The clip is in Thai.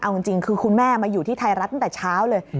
เอาจริงคือคุณแม่มาอยู่ที่ไทยรัฐตั้งแต่เช้าเลย